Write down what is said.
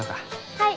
はい！